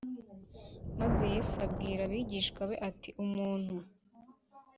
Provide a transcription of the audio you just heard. Maze Yesu abwira abigishwa be ati Umuntu